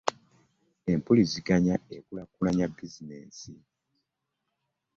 Empuliziganya ekulakulanya bizinensi.